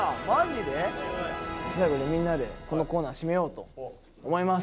最後にみんなでこのコーナー締めようと思います。